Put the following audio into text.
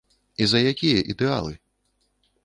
І за якія ідэалы?